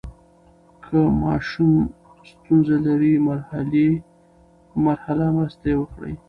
که ماشوم ستونزه لري، مرحلې په مرحله مرسته یې وکړئ.